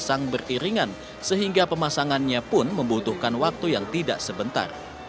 pasang beriringan sehingga pemasangannya pun membutuhkan waktu yang tidak sebentar